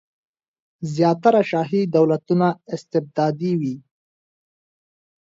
زیاتره شاهي دولتونه استبدادي وي.